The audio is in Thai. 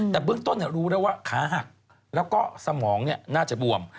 แต่เบื้องต้นรู้แล้วว่าขาหักแล้วก็สมองน่าจะบวม